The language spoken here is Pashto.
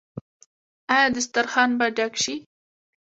آیا دسترخان به ډک شي؟